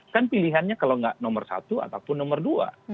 kan pilihannya kalau nggak nomor satu ataupun nomor dua